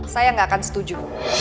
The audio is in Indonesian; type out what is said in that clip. saya enggak akan setuju